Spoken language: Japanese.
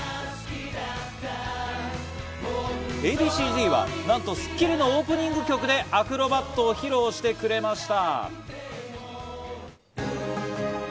Ａ．Ｂ．Ｃ−Ｚはなんと『スッキリ』のオープニング曲でアクロバットを披露してくれました。